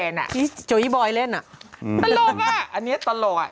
เอออันนี้ที่หน้าเด็กอ่ะจุ๊ยบอยเล่นอ่ะตลกอ่ะอันนี้ตลกอ่ะ